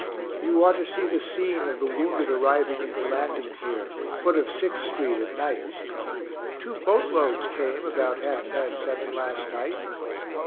You ought to see the scene of the wounded arriving at the landing here, foot of Sixth street, at night. Two boat loads came about half past seven last night.